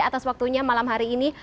atas waktunya malam hari ini